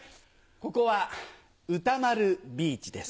ここは歌丸ビーチです。